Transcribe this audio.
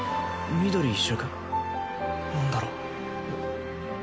緑一色何だろう？